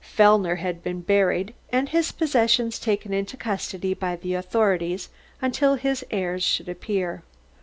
Fellner had been buried and his possessions taken into custody by the authorities until his heirs should appear.